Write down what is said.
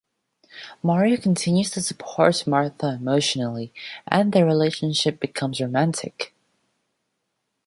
Mario continues to support Martha emotionally, and their relationship becomes romantic.